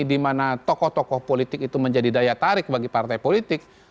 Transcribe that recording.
di mana tokoh tokoh politik itu menjadi daya tarik bagi partai politik